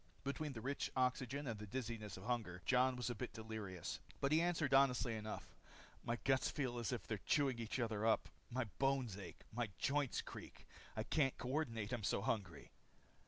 Between the rich oxygen and the dizziness of hunger, Jon was a bit delirious. But he answered honestly enough: "My guts feel as if they're chewing each other up. My bones ache. My joints creak. I can't coordinate I'm so hungry."